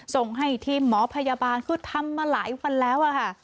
ส่งให้ทีมหมอพยาบาลคือทำมาหลายวันแล้วค่ะ